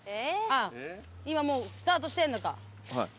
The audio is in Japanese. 今もうスタートしてんのか。